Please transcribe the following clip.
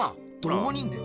どこにいんだよ？